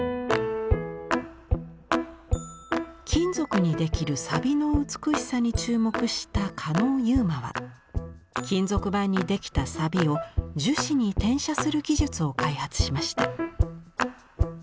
金属にできる錆の美しさに注目した狩野佑真は金属板にできた錆を樹脂に転写する技術を開発しました。